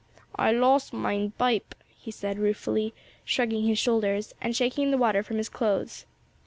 "I loss mein bipe," he said ruefully, shrugging his shoulders and shaking the water from his clothes.